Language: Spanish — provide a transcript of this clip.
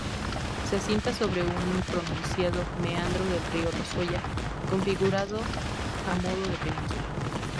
Se asienta sobre un pronunciado meandro del río Lozoya, configurado a modo de península.